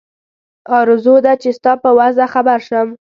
آرزو ده چې ستا په وضع خبر شم.